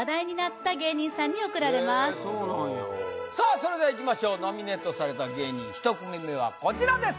それではいきましょうノミネートされた芸人１組目はこちらです